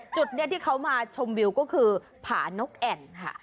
จุดนี้ที่เขามาชมวิวก็คือผานกแอ่นค่ะ